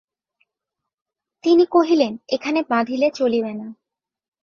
তিনি কহিলেন, এখানে বাঁধিলে চলিবে না।